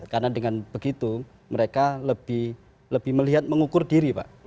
karena dengan begitu mereka lebih melihat mengukur diri pak